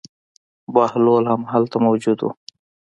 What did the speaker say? بهلول هم هلته موجود و.